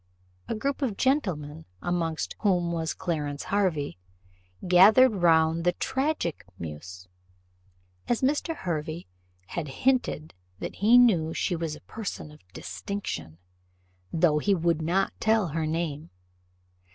A group of gentlemen, amongst whom was Clarence Hervey, gathered round the tragic muse; as Mr. Hervey had hinted that he knew she was a person of distinction, though he would not tell her name.